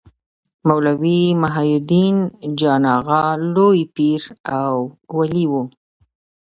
مولوي محي الدین جان اغا لوی پير او ولي و.